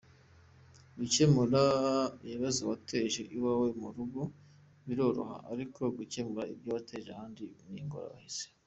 Gukemura ibibazo wateje iwawe mu rugo biroroha ariko gukemura ibyo wateje ahandi ni ingorabahizi.